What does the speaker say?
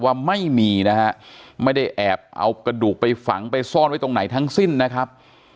ว่าไม่มีนะฮะไม่ได้แอบเอากระดูกไปฝังไปซ่อนไว้ตรงไหนทั้งสิ้นนะครับ